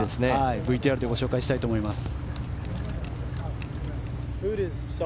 ＶＴＲでご紹介したいと思います。